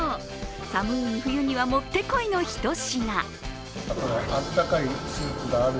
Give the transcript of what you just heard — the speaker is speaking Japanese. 寒い冬にはもってこいのひと品。